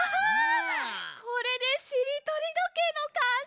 これでしりとりどけいのかんせいだわ。